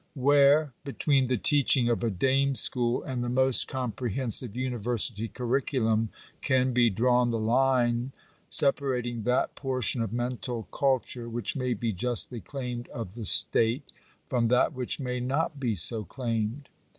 Where, between the teaching of a dame school, and the most comprehensive university curriculum, can be drawn the line separating that portion of mental culture which may be justly claimed of the state, from that which may not be so claimed